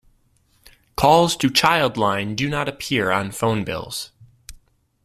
Calls to Childline do not appear on phone bills.